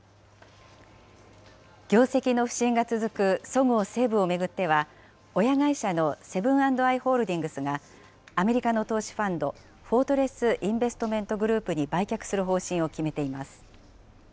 業績の不振が続くそごう・西武を巡っては、親会社のセブン＆アイ・ホールディングスがアメリカの投資ファンド、フォートレス・インベストメント・グループに売却する方針を決めています。